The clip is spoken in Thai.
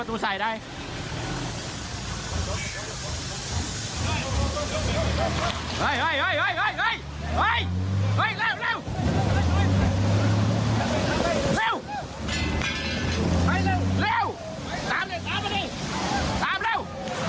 ตามเร็ว